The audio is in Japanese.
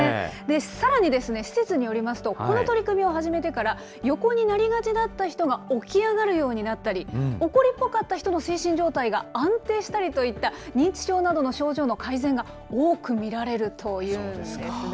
さらにですね、施設によりますと、この取り組みを始めてから、横になりがちだった人が起き上がるようになったり、怒りっぽかった人の精神状態が安定したりといった、認知症などの症状の改善が多く見られるというんですね。